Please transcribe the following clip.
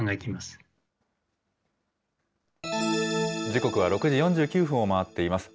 時刻は６時４９分を回っています。